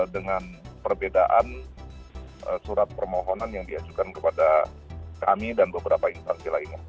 dengan perbedaan surat permohonan yang diajukan kepada kami dan beberapa instansi lainnya